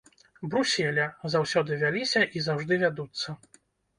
Бруселя, заўсёды вяліся і заўжды вядуцца.